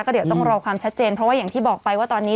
เดี๋ยวต้องรอความชัดเจนเพราะว่าอย่างที่บอกไปว่าตอนนี้